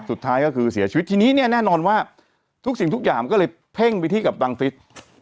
สุดท้ายก็คือเสียชีวิตทีนี้เนี่ยแน่นอนว่าทุกสิ่งทุกอย่างก็เลยเพ่งไปที่กับบังฟิศ